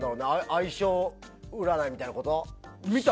相性占いみたいなこと？